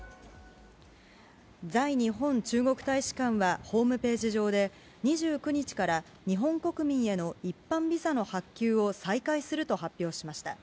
在日本中国大使館はホームページ上で、２９日から日本国民への一般ビザの発給を再開すると発表しました。